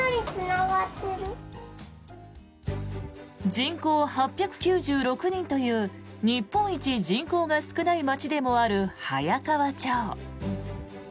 人口８９６人という日本一人口が少ない町でもある早川町。